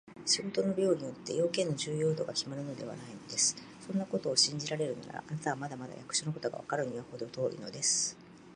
仕事の量によって、用件の重要度がきまるのではないのです。そんなことを信じられるなら、あなたはまだまだ役所のことがわかるのにはほど遠いのです。